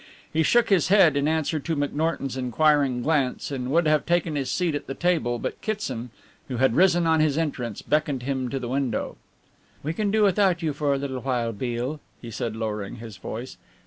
He shook his head in answer to McNorton's inquiring glance, and would have taken his seat at the table, but Kitson, who had risen on his entrance, beckoned him to the window. "We can do without you for a little while, Beale," he said, lowering his voice.